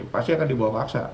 pasti akan dibawa paksa